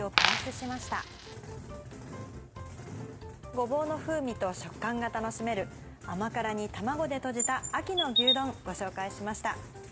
ごぼうの風味と食感が楽しめる甘辛煮卵でとじた秋の牛丼ご紹介しました。